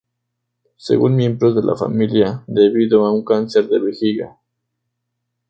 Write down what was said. Según miembros de la familia debido a un cáncer de vejiga.